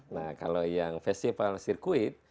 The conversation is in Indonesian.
nah kalau yang festival sirkuit